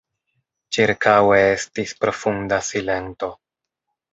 Ĉirkaŭe estis profunda silento.